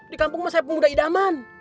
di kampung masa pemuda idaman